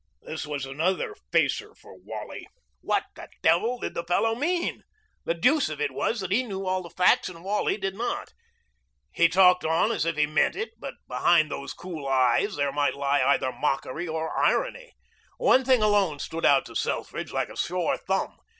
This was another facer for Wally. What the devil did the fellow mean? The deuce of it was that he knew all the facts and Wally did not. He talked as if he meant it, but behind those cool eyes there might lie either mockery or irony. One thing alone stood out to Selfridge like a sore thumb.